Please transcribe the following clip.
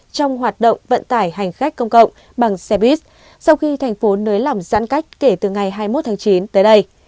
trong hoạt động vận tải hành khách công cộng bằng xe buýt sau khi thành phố nới lỏng giãn cách kể từ ngày hai mươi một tháng chín tới đây